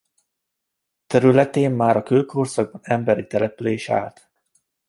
Területén már a kőkorszakban emberi település állt.